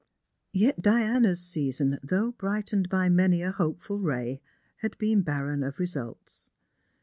Yet Diana's season, though brightened by many a hopeful ray, had been barren of results.